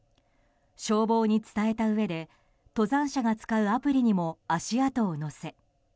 消防に伝えたうえで登山者が使うアプリにも足跡を載せ